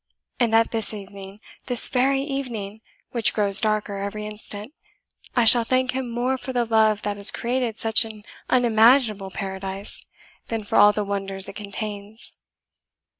and that this evening this very evening, which grows darker every instant, I shall thank him more for the love that has created such an unimaginable paradise, than for all the wonders it contains."